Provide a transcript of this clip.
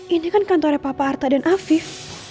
ini kan kantornya papa arta dan afif